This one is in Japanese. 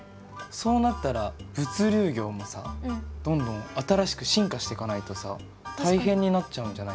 そうなったら物流業もさどんどん新しく進化していかないとさ大変になっちゃうんじゃないかな。